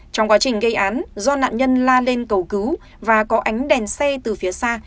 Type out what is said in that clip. trong quá trình gây án do nạn nhân la lên cầu cứu và có ánh đèn xe từ phía xa